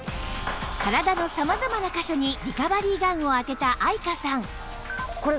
体の様々な箇所にリカバリーガンを当てた愛華さん